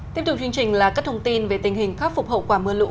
tiếp tục chương trình là các thông tin về tình hình khắc phục hậu quả mưa lũ